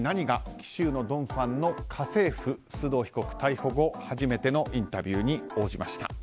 紀州のドン・ファンの家政婦須藤被告逮捕後、初めてのインタビューに応じました。